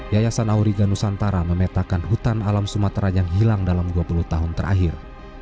yayasan auriga nusantara memetakan hutan alam sumatera yang hilang dalam dua puluh tahun terakhir